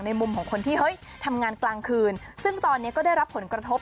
มุมของคนที่เฮ้ยทำงานกลางคืนซึ่งตอนนี้ก็ได้รับผลกระทบ